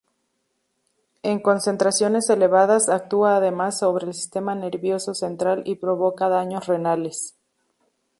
En concentraciones elevadas actúa además sobre el sistema nervioso central y provoca daños renales.